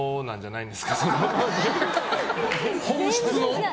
本質の？